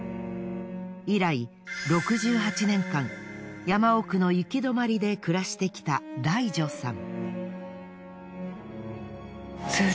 以来６８年間山奥の行き止まりで暮らしてきたダイ女さん。